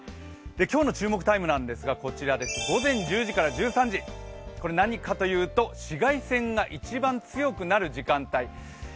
今日の注目タイムなんですが午前１０時から１３時これ何かというと、紫外線が一番強くなる時間帯。